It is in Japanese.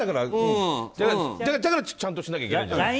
だからちゃんとしなきゃいけないのよ。